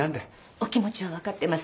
お気持ちは分かってます。